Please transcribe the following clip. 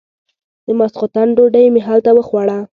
د ماسختن ډوډۍ مې هلته وخوړه.